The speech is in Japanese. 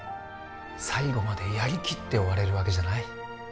最後までやりきって終われるわけじゃない？